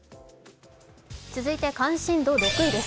続いて関心度６位です。